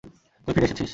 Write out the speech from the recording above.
তুই ফিরে এসেছিস।